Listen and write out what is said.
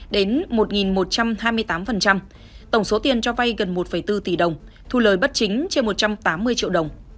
đến một một trăm hai mươi tám tổng số tiền cho vay gần một bốn tỷ đồng thu lời bất chính trên một trăm tám mươi triệu đồng